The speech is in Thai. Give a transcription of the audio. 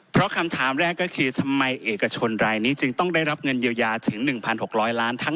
เพราะคำถามแรกก็คือทำไมเอกชนรายนี้จึงต้องได้รับเงินเยียวยาถึง๑๖๐๐ล้านท่าน